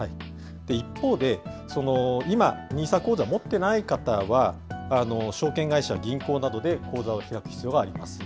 一方で、今、ＮＩＳＡ口座持ってない方は、証券会社、銀行などで口座を開く必要があります。